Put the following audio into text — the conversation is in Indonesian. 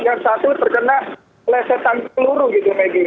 yang satu terkena lesetan peluru gitu maggie